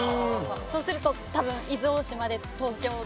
そうすると多分伊豆大島で東京なんですよね。